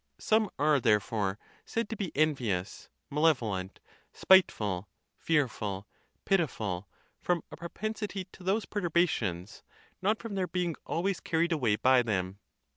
Some are, therefore, said to be envious, malevolent, spiteful, fearful, pitiful, from a propensity to those perturbations, not from their being always carried away by them.